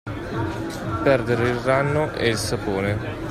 Perdere il ranno e il sapone.